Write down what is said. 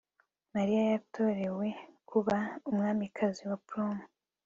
Mariya yatorewe kuba umwamikazi wa prom